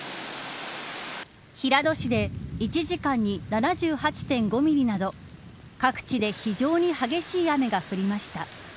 平戸市で１時間に７８．５ミリなど各地で非常に激しい雨が降りました。